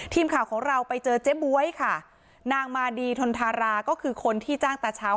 ทีมข่าวของเราไปเจอเจ๊บ๊วยค่ะนางมาดีทนทาราก็คือคนที่จ้างตาเช้า